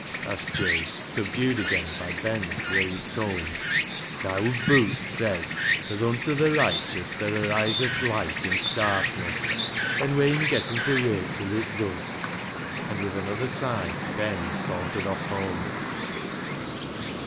asked Jabe, subdued again by Ben's grave tone. " Th' owd Beuk says as ' Unto the righteous there ariseth light in the darkness,' an' we'en getten ta wait till it does," and with another sigh Ben sauntered off home.